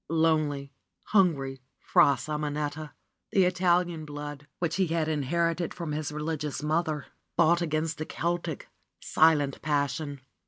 Lonely, hungry Fra Simonetta ! The Italian blood, which he had inherited from his religious mother, fought against the Celtic, silent pas sion.